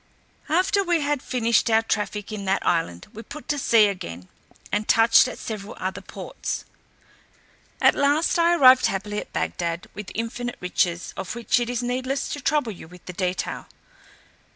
After we had finished our traffic in that island, we put to sea again, and touched at several other ports; at last I arrived happily at Bagdad with infinite riches, of which it is needless to trouble you with the detail.